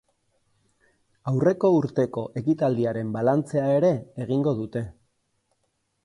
Aurreko urteko ekitaldiaren balantzea ere egingo dute.